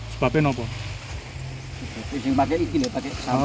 sebab pakai ini pakai sampah ini